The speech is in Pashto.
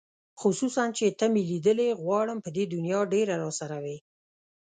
خصوصاً چې ته مې لیدلې غواړم په دې دنیا ډېره راسره وې